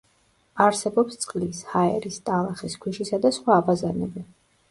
არსებობს წყლის, ჰაერის, ტალახის, ქვიშისა და სხვა აბაზანები.